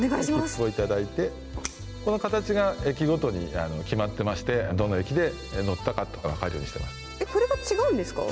切符を頂いて、この形が駅ごとに決まってまして、どの駅で乗ったかとか分かるようにしていまえっ、これが違うんですか？